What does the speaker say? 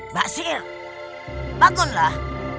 mbak sir bangunlah